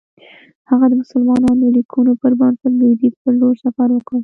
هغه د مسلمانانو د لیکنو پر بنسټ لویدیځ پر لور سفر وکړ.